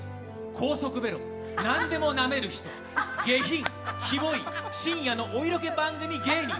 高速ベロ、何でもなめる人下品、キモい深夜のお色気番組芸人。